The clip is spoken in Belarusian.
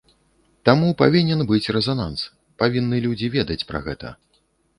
Таму павінен быць рэзананс, павінны людзі ведаць пра гэта.